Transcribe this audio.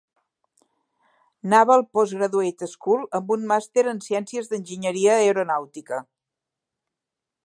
Naval Postgraduate School amb un màster en ciències d'enginyeria aeronàutica.